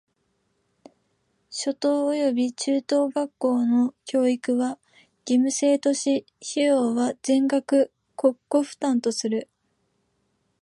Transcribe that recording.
初等および中等学校の教育は義務制とし、費用は全額国庫負担とする。